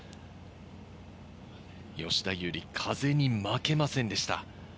吉田優利、風に負けませんでした。